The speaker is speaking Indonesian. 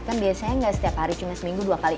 kan biasanya nggak setiap hari cuma seminggu dua kali